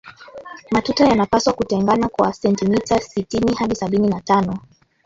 matuta yanapaswa kutengana kwa sentimita sitini hadi sabini na tano